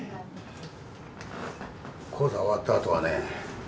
高座終わったあとはね